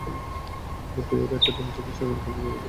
তুই এই দায়িত্বটা নিশ্চিন্তে সাইমনের হাতে ছেড়ে দিতে পারিস!